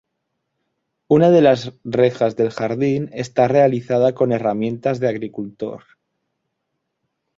Una de las rejas del jardín está realizada con herramientas de agricultor.